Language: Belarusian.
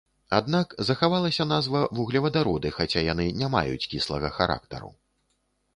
Аднак захавалася назва вуглевадароды, хаця яны не маюць кіслага характару.